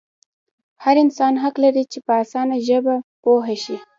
هر انسان حق لري چې په اسانه ژبه پوه شي.